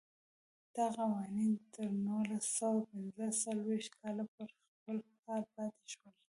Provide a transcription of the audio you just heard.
دا قوانین تر نولس سوه پنځه څلوېښت کاله پر خپل حال پاتې شول.